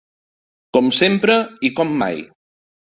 Com sempre i com mai.